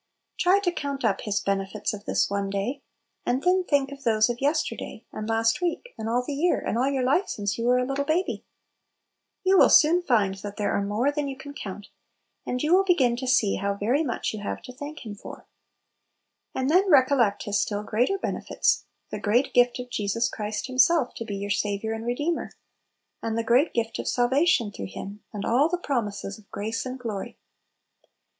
Try to count up " His benefits " of this one day; and then think of those of yesterday, and last week, and all the year, and all your life since you were a little baby ! You will soon find that there are more than you can count, and you will begin to see how very much you have to thank Him for. And then recollect His still greater benefits — the great gift of Jesus Christ Himself to be your Saviour and Re deemer, and the great gift of salvation through Him, and all His promises of grace and glory